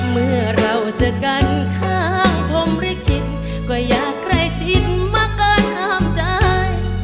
เมื่อเราจะกันข้างผมริขิตก็อยากใกล้ชิดมาก่อนอ้ามใจ